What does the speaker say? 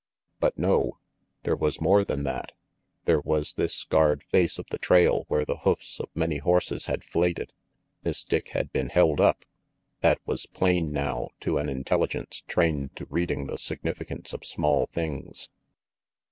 But no! There was more than that. There was this scarred face of the trail where the hoofs of many horses had flayed it. Miss Dick had been held up! That was plain now to an intelligence trained to reading the significance of small things.